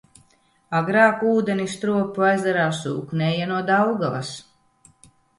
Agrāk ūdeni Stropu ezerā sūknēja no Daugavas.